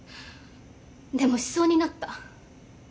でもしそうになった。